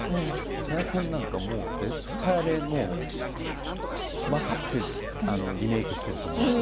戸谷さんなんか絶対あれもう分かってリメイクしてると思うんです。